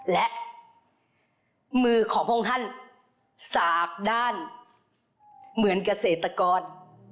และมือของพระองค์ท่านสากด้านเหมือนเกษตรกร